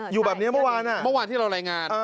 อยู่แบบเนี้ยเมื่อวาน